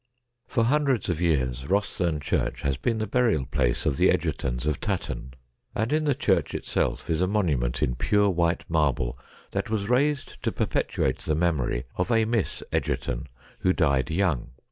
For hundreds of years Eostherne Church has been the burial place of the Egertons of Tatton, and in the church itself is a monument in pure white marble that was raised to perpetuate the memory of a Miss Egerton, who died young.